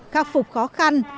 khắc phục khó khăn